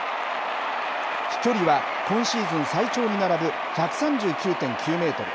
飛距離は今シーズン最長に並ぶ１３９．９メートル。